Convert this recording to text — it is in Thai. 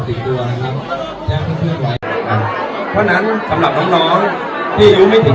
แจ้งเพื่อนเพื่อนไว้เพราะฉะนั้นสำหรับน้ำน้องที่อายุไม่ถึง